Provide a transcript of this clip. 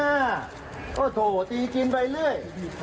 เท่าะโธ่ตีกินไปเรื่อย